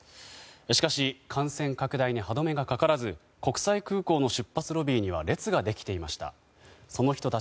しかし感染拡大に歯止めがかからず国際空港の出発ロビーには列ができていました。